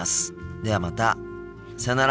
ではまたさよなら。